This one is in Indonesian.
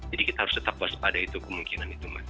jadi kita harus tetap waspada itu kemungkinan itu